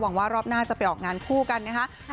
ว่ารอบหน้าจะไปออกงานคู่กันนะคะ